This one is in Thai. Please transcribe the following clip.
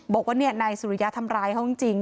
บอกว่านายสุริยะทำร้ายเขาจริง